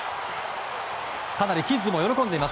かなりキッズも喜んでいます。